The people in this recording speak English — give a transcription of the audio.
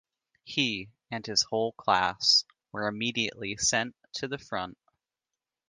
He and his whole class were immediately sent to the front.